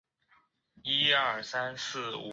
君主可为独裁者。